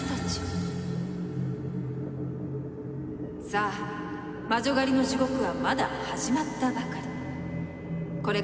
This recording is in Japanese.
さあ魔女狩りの地獄はまだ始まったばかり。